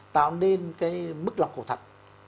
bảo nên cái mức lọc cầu thận